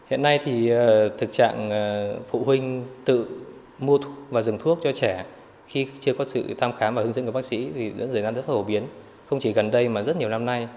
hiện nay thì thực trạng phụ huynh tự mua thuốc và dùng thuốc cho trẻ khi chưa có sự thăm khám và hướng dẫn của bác sĩ thì vẫn diễn ra rất phổ biến không chỉ gần đây mà rất nhiều năm nay